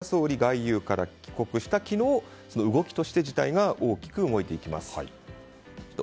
実際に岸田総理が外遊から帰国した昨日動きとして自体が大きく動いていきます。